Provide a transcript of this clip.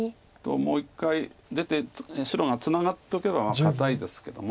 もう１回出て白がツナがっとけば堅いですけども。